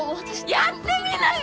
やってみなよ！